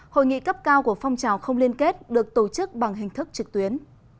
hội nghị cấp cao của phong trào không liên kết được tổ chức bằng hình thức trực tuyến